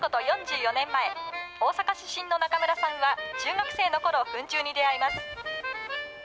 ４４年前、大阪出身の中村さんは、中学生のころ、フン虫に出会います。